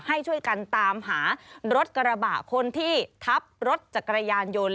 ให้ช่วยกันตามหารถกระบะคนที่ทับรถจักรยานยนต์